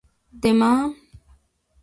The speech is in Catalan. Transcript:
Demà na Blanca va a Almussafes.